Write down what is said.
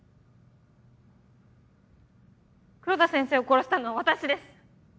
黒田先生を殺したのは私です。